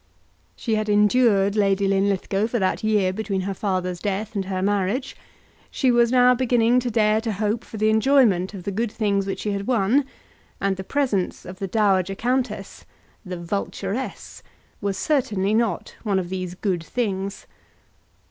She had endured Lady Linlithgow for that year between her father's death and her marriage; she was now beginning to dare to hope for the enjoyment of the good things which she had won, and the presence of the dowager countess, "the vulturess," was certainly not one of these good things.